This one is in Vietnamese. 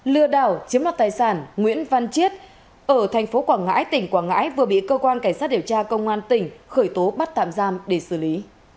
lừa đảo chiếm đoạt tài sản nguyễn văn chiết ở thành phố quảng ngãi tỉnh quảng ngãi vừa bị cơ quan cảnh sát điều tra công an tỉnh khởi tố bắt tạm giam để xử lý